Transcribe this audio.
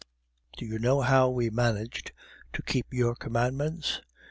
"Do you know how we managed to keep your commandments?